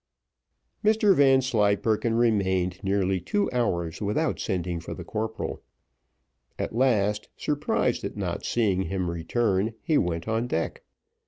Mr Vanslyperken remained nearly two hours without sending for the corporal; at last, surprised at not seeing him return, he went on deck.